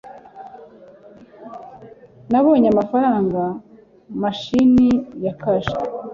nabonye amafaranga mashini ya cash